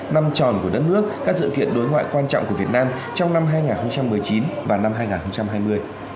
năm tròn của đất nước các sự kiện đối ngoại quan trọng của việt nam trong năm hai nghìn một mươi chín và năm hai nghìn hai mươi